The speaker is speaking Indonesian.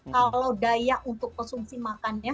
kalau daya untuk konsumsi makannya